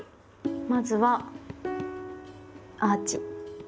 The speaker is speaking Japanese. まずはアーチ。